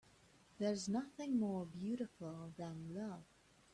There's nothing more beautiful than love.